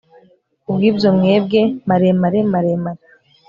Kubwibyo mwebwe maremare maremare